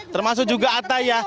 termasuk juga ataya